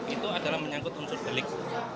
itu adalah menyangkut unsur delik